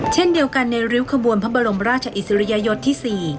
เช่นเดียวกันในริ้วขบวนพระบรมราชอิสริยยศที่๔